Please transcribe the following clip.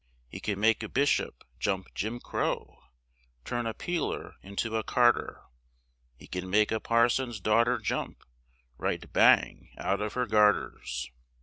He can make a Bishop jump Jim Crow, Turn a peeler into a carter, He can make a parson's daughter jump Right bang out of her garters.